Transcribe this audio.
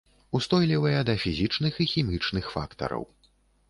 Устойлівыя да фізічных і хімічных фактараў.